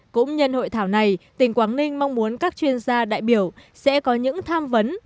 cũng nhân hội thảo này tỉnh quảng ninh mong muốn các chuyên gia đại biểu sẽ có những tham vấn